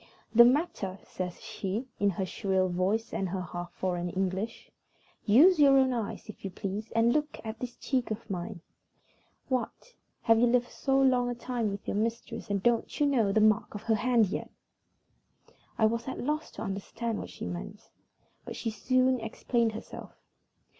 "The matter!" says she, in her shrill voice and her half foreign English. "Use your own eyes, if you please, and look at this cheek of mine. What! have you lived so long a time with your mistress, and don't you know the mark of her hand yet?" I was at a loss to understand what she meant, but she soon explained herself.